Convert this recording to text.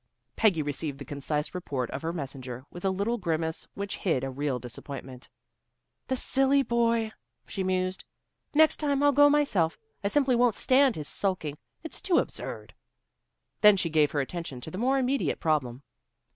Peggy received the concise report of her messenger with a little grimace which hid a real disappointment. "The silly boy!" she mused. "Next time I'll go myself. I simply won't stand his sulking. It's too absurd." Then she gave her attention to the more immediate problem.